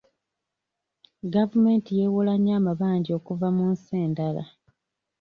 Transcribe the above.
Gavumenti yeewola nnyo amabanja okuva mu nsi endala.